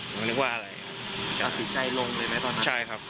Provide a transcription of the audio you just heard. หนูนึกว่าอะไรครับตัดสินใจลงเลยไหมตอนนั้นใช่ครับ